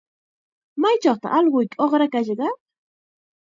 ¿Maychawtaq allquyki uqrakashqa?